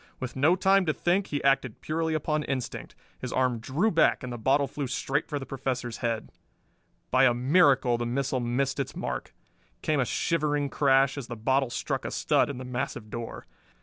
With no time to think, he acted purely upon instinct. His arm drew back and the bottle flew straight for the Professor's head. By a miracle the missile missed its mark. Came a shivering crash, as the bottle struck a stud in the massive door.